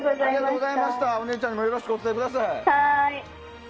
お姉ちゃんにもよろしくお伝えください。